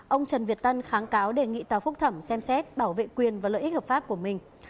ông trần việt tân kháng cáo đề nghị tòa phúc thẩm xem xét bảo vệ quyền và lợi ích hợp pháp của mình